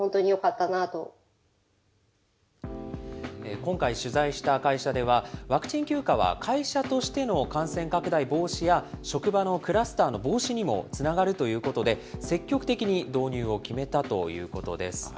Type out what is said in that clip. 今回取材した会社では、ワクチン休暇は会社としての感染拡大防止や、職場のクラスターの防止にもつながるということで、積極的に導入を決めたということです。